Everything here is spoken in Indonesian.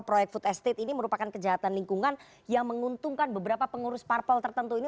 proyek food estate ini merupakan kejahatan lingkungan yang menguntungkan beberapa pengurus parpol tertentu ini